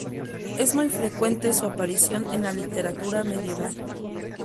Es muy frecuente su aparición en la literatura medieval.